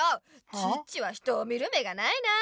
チッチは人を見る目がないなあ！